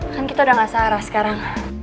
kan kita udah gak sarah sekarang